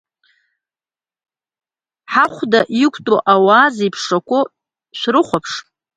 Ҳахәда иқәтәоу ауаа зеиԥшрақәоу шәрыхәаԥш…